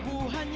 gak ada lagi